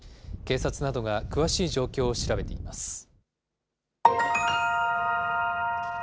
警察などが詳しい状況を調べています。